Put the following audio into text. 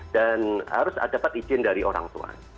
dan harus dapat izin dari orang tua